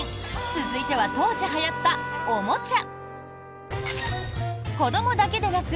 続いては当時はやったおもちゃ。